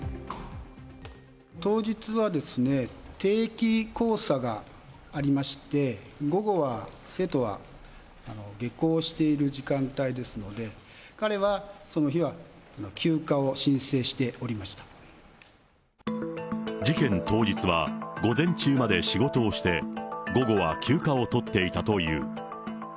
当日は定期考査がありまして、午後は生徒は下校している時間帯ですので、彼はその日は休暇を申事件当日は午前中まで仕事をして、午後は休暇を取っていたという。